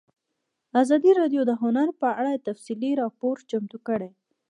ازادي راډیو د هنر په اړه تفصیلي راپور چمتو کړی.